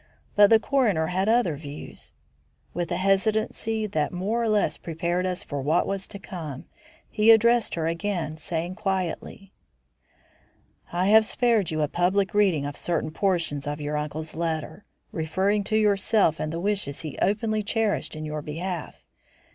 But the coroner had other views. With a hesitancy that more or less prepared us for what was to come, he addressed her again, saying quietly: "I have spared you a public reading of certain portions of your uncle's letter, referring to yourself and the wishes he openly cherished in your behalf.